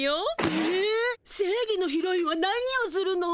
ええ正義のヒロインは何をするの？